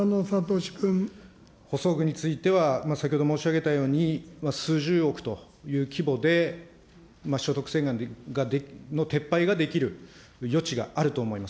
補装具については、先ほど申し上げたように、数十億という規模で、所得制限の撤廃ができる余地があると思います。